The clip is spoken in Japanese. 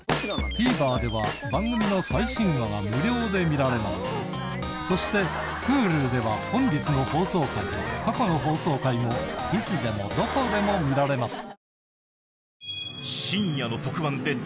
ＴＶｅｒでは番組の最新話が無料で見られますそしてＨｕｌｕでは本日の放送回も過去の放送回もいつでもどこでも見られます